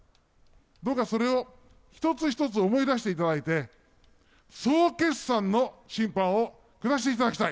どうかそれを一つ一つ思い出していただいて、総決算の審判を下していただきたい。